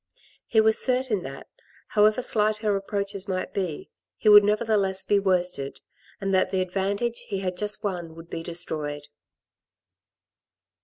He was certain that, however slight her reproaches might be, he would nevertheless be worsted, and that the advantage he had just won would be destroyed.